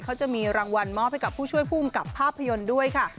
เขาจะมีรางวัลมอบให้กับผู้ช่วยผู้อำกับภาพยนตร์ด้วยค่ะ